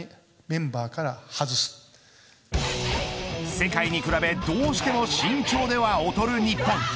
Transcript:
世界に比べどうしても身長では劣る日本。